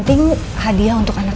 tunggu sebentar ya mbak